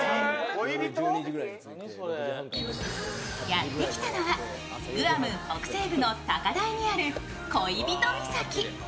やってきたのは、グアム北西部の高台にある恋人岬。